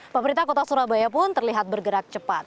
pemerintah kota surabaya pun terlihat bergerak cepat